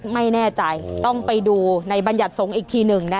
ไม่แน่ใจต้องไปดูในบัญญัติสงฆ์อีกทีหนึ่งนะ